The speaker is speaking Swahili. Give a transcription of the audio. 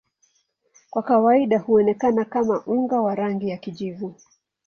Kwa kawaida huonekana kama unga wa rangi ya kijivu.